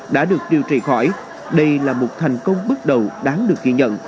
đã được điều trị khỏi đây là một thành công bước đầu đáng được ghi nhận